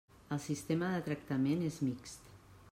El sistema de tractament és mixt.